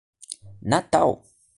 Natal